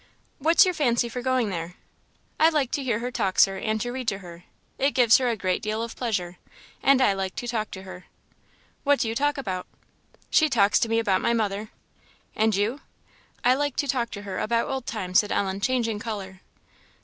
"What's your fancy for going there?" "I like to hear her talk Sir, and to read to her; it gives her a great deal of pleasure; and I like to talk to her." "What do you talk about?" "She talks to me about my mother " "And you?" "I like to talk to her about old times," said Ellen, changing colour.